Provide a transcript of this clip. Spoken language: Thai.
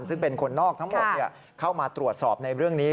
ซึ่งเป็นคนนอกทั้งหมดเข้ามาตรวจสอบในเรื่องนี้